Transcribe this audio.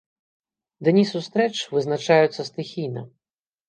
Дні сустрэч вызначаюцца стыхійна.